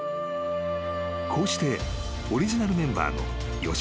［こうしてオリジナルメンバーの吉田夕梨花。